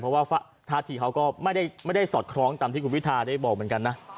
เพราะว่าท่าทีเขาก็ไม่ได้สอดคล้องตามที่คุณพิทาได้บอกเหมือนกันนะ